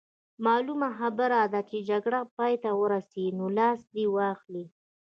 معلومه خبره ده چې جګړه به پای ته ورسي، نو لاس دې واخلي.